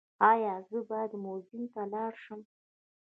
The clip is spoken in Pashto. ایا زه باید موزیم ته لاړ شم؟